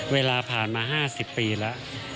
เวลาผ่านมา๕๐ปีแล้ว